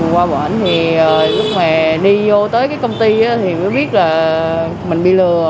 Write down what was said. qua bệnh thì lúc này đi vô tới cái công ty thì mới biết là mình bị lừa